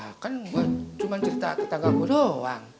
ya kan gue cuman cerita tetangga gue doang